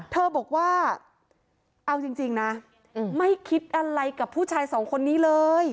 เธอบอกว่าเอาจริงนะไม่คิดอะไรกับผู้ชายสองคนนี้เลย